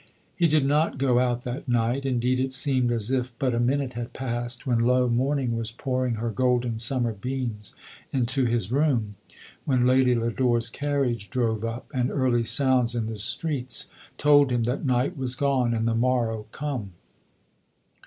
He did not go out that night ; indeed it seemed as if but a minute had passed, when, lo! morning was pouring her golden summer beams into his room — when I «ady Lodore's carriage drove up ; and early sounds in the streets told him that night was gone and the morrow come.